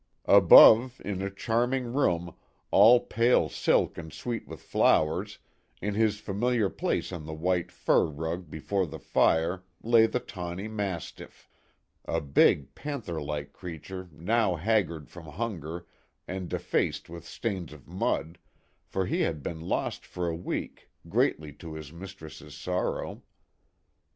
Above, in a charming room, all pale silk and sweet with flowers, in his familiar place on the white fur rug before the fire lay the tawny mas tiff ; a big, panther like creature now haggard from hunger and defaced with stains of mud, for he had been lost for a week, greatly to his mis tress's sorrow.